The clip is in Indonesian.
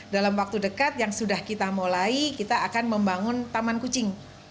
dalam waktu dekat yang sudah kita mulai kita akan membangun taman kucing